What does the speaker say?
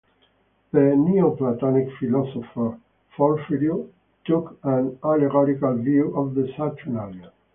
The Neoplatonic philosopher Porphyry took an allegorical view of the Saturnalia.